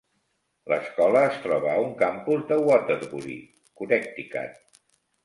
L'escola es troba a un campus de Waterbury, Connecticut.